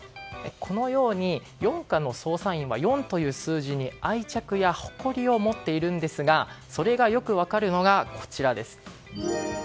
このように４課の捜査員は４という数字に愛着や誇りを持っているんですがそれがよく分かるのがこちらです。